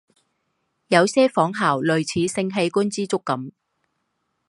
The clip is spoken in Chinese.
有些仿效类似性器官之触感。